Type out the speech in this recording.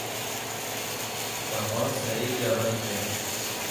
شاخەوان سەیارەیەکی یابانی پێیە.